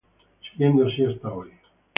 Siguiendo así hasta hoy.